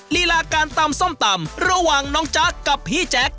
ลีลาการตำส้มตำระหว่างน้องจ๊ะกับพี่แจ๊ค